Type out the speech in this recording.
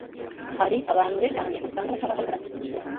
Hari abantu benshi cyane usanga batabaho ngo batuze